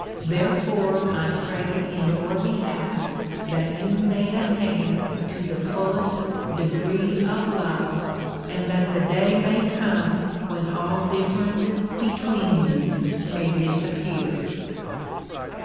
Therefore I pray in your behalf that you may attain to the fullest degree of love and that the day may come when all differences between you may disappear.